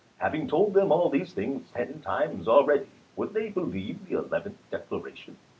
Having told them all these things ten times already, would they believe the eleventh declaration?